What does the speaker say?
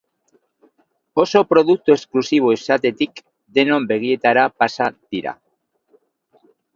Oso produktu exklusibo izatetik, denon begietara pasa dira.